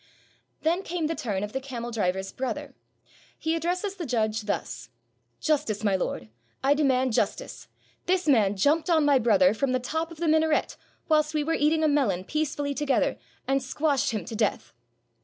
Then came the turn of the camel driver's brother. He addresses the judge thus: "Justice, my lord, I demand justice. This man jumped on my brother from the top of the minaret whilst we were eating a melon peacefully together, and squashed him to death."